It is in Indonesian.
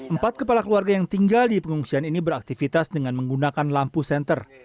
empat kepala keluarga yang tinggal di pengungsian ini beraktivitas dengan menggunakan lampu senter